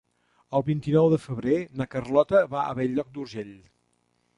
El vint-i-nou de febrer na Carlota va a Bell-lloc d'Urgell.